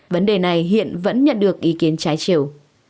vấn đề này hiện vẫn nhận được ý kiến trái chiều